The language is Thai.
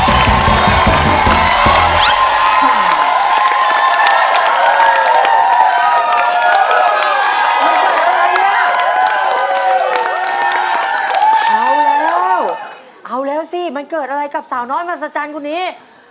เอาแล้วเอาแล้วสิมันเกิดอะไรกับสาวน้อยมหัศจรรย์คนนี้